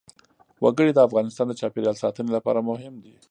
وګړي د افغانستان د چاپیریال ساتنې لپاره مهم دي.